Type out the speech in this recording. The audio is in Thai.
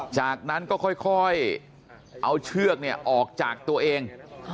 จากนั้นก็ค่อยเอาเชือกออกจากตัวเอง